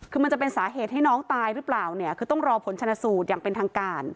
คือมันจะเป็นสาเหตุให้น้องตายหรือเปล่าเนี่ยคือต้องรอผลชนะสูตรอย่างเป็นทางการ